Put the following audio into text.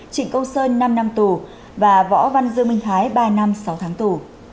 trịnh công sơn năm năm tù và võ văn dương minh thái ba năm sáu tháng tù